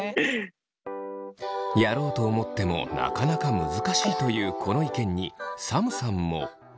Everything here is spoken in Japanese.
やろうと思ってもなかなか難しいというこの意見にサムさんも。